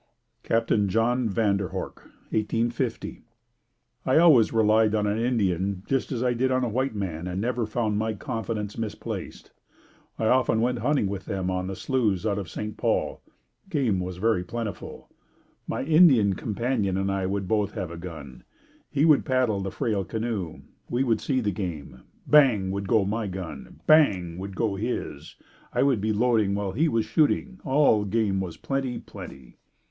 Captain John Van der Horck 1850. I always relied on an Indian just as I did on a white man and never found my confidence misplaced. I often went hunting with them on the sloughs out of St. Paul. Game was very plentiful. My Indian companion and I would both have a gun. He would paddle the frail canoe. We would see the game. "Bang!" would go my gun. "Bang!" would go his. I would be loading while he was shooting. All game was plenty, plenty.